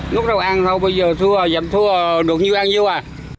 nước rau ăn thôi bây giờ thua dậm thua được nhiêu ăn nhiêu à